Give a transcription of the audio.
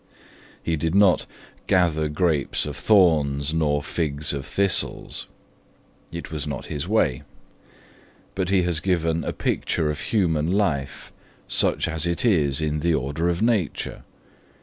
He did not 'gather grapes of thorns nor figs of thistles'. It was not his way. But he has given a picture of human life, such as it is in the order of nature.